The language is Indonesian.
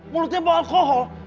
mulutnya bawa alkohol